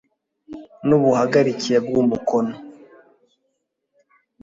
n ubuhagarike bw umukono